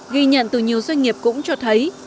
ghi nhận từ nhiều doanh nghiệp cũng cho thấy